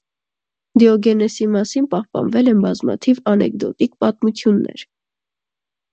Դիոգենեսի մասին պահպանվել են բազմաթիվ անեկդոտիկ պատմություններ։